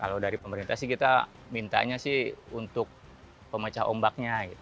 kalau dari pemerintah kita minta untuk pemecah ombaknya